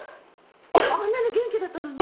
あんなに元気だったのに？